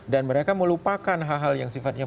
dan mereka melupakan hal hal yang sifatnya